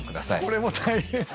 これも大変そう。